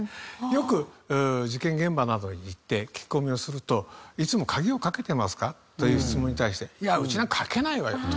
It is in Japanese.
よく事件現場などに行って聞き込みをすると「いつも鍵をかけてますか？」という質問に対して「いやうちはかけないわよ」と。